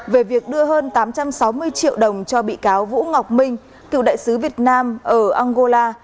về việc đưa hơn tám trăm sáu mươi triệu đồng cho bị cáo vũ ngọc minh cựu đại sứ việt nam ở angola